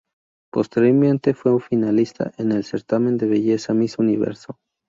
Posteriormente fue finalista en el certamen de belleza Miss Universo.